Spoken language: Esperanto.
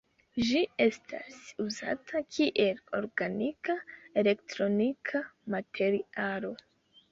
Ĝi estas uzata kiel organika elektronika materialo.